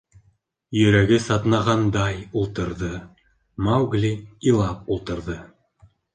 Йөрәге сатнағандай ултырҙы Маугли, илап ултырҙы.